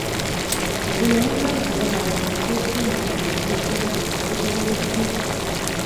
chebunu mbar chebo kabatishiet komuchi kebaishen eng' ole kichaben tuguk